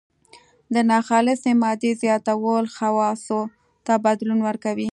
د ناخالصې مادې زیاتول خواصو ته بدلون ورکوي.